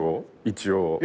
一応。